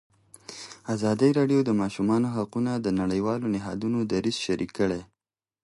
ازادي راډیو د د ماشومانو حقونه د نړیوالو نهادونو دریځ شریک کړی.